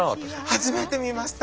初めて見ました。